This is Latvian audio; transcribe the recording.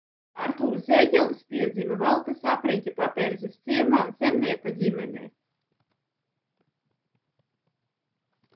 Artūrs Zēģelis piedzima Valkas apriņķa Paperzes ciemā zemnieka ģimenē.